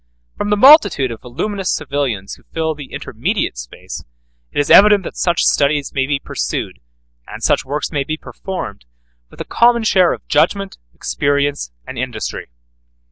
From the multitude of voluminous civilians who fill the intermediate space, it is evident that such studies may be pursued, and such works may be performed, with a common share of judgment, experience, and industry.